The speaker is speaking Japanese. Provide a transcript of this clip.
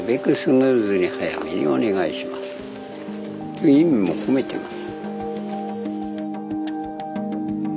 いう意味も込めてます。